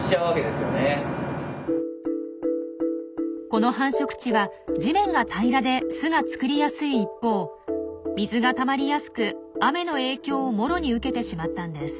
この繁殖地は地面が平らで巣が作りやすい一方水がたまりやすく雨の影響をもろに受けてしまったんです。